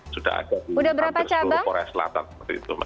sudah ada di ambil seluruh korea selatan